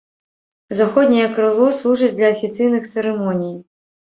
Заходняе крыло служыць для афіцыйных цырымоній.